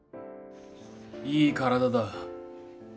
いい体だ